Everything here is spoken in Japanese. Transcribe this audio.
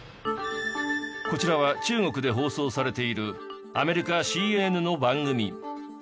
こちらは中国で放送されているアメリカＣＮＮの番組。